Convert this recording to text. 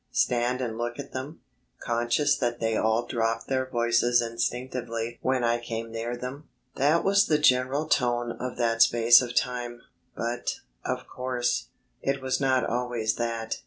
Stand and look at them, conscious that they all dropped their voices instinctively when I came near them? That was the general tone of that space of time, but, of course, it was not always that.